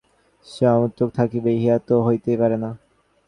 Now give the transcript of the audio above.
সে অপুত্রক থাকিবে, ইহা তো হইতেই পারে না।